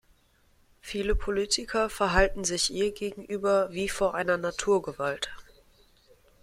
Viele Politiker verhalten sich ihr gegenüber wie vor einer Naturgewalt.